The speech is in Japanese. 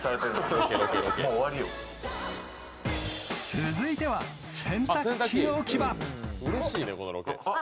続いては洗濯機置き場あっ